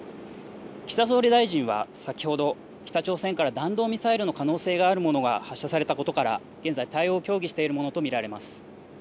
岸田総理大臣は先ほど北朝鮮から弾道ミサイルの可能性があるものが発射されたことから現在、対応を協議しているものと見られます。